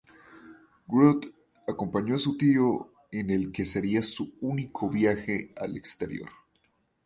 Groot acompañó a su tío en el que sería su único viaje al exterior.